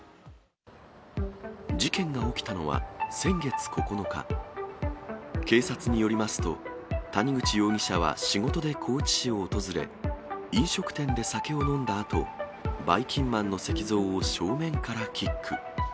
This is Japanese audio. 事件が起きたのは、先月９日、警察によりますと、谷口容疑者は仕事で高知市を訪れ、飲食店で酒を飲んだあと、ばいきんまんの石像を正面からキック。